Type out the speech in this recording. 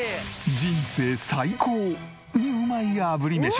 人生最高にうまい炙り飯が。